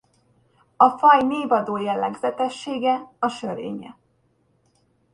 A faj névadó jellegzetessége a sörénye.